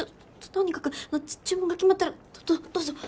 とにかく注文が決まったらどどうぞ。